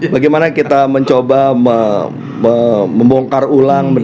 bagaimana kita mencoba membongkar ulang